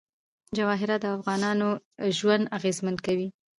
جواهرات د افغانانو ژوند اغېزمن کوي.